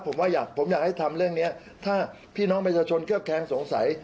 ผมว่าอยากผมอยากให้ทำเรื่องนี้ถ้าพี่น้องประชาชนเคลือบแค้นสงสัย